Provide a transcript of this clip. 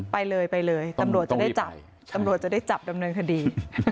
ไปเลยไปเลยตำรวจจะได้จับตำรวจจะได้จับดำเนินคดี